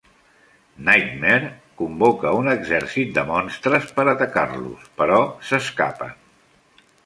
Nightmare convoca un exèrcit de monstres per atacar-los, però s'escapen.